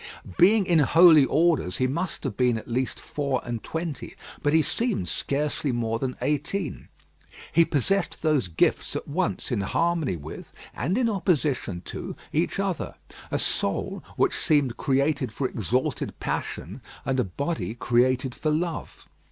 Being in holy orders, he must have been at least four and twenty, but he seemed scarcely more than eighteen. He possessed those gifts at once in harmony with, and in opposition to, each other. A soul which seemed created for exalted passion, and a body created for love.